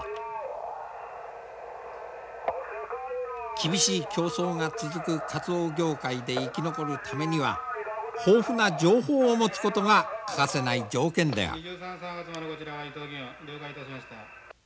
厳しい競争が続くカツオ業界で生き残るためには豊富な情報を持つことが欠かせない条件である。